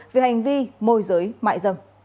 về hành vi môi giới